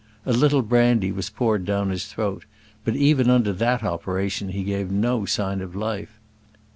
A little brandy was poured down his throat, but even under that operation he gave no sign of life.